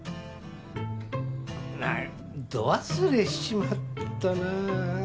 なっ度忘れしちまったな。